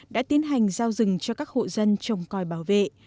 đã tiến hành giao rừng cho các hộ dân trồng coi bảo vệ